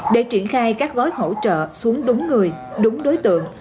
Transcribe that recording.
để triển khai các gói hỗ trợ xuống đúng người đúng đối tượng